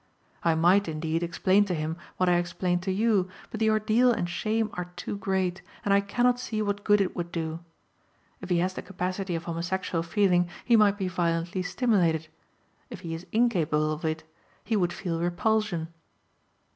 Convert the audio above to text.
I might, indeed, explain to him what I explain to you, but the ordeal and shame are too great, and I cannot see what good it would do. If he has the capacity of homosexual feeling he might be violently stimulated; if he is incapable of it, he would feel repulsion.